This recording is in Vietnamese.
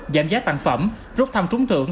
giảm giá tặng phẩm rút thăm trúng tượng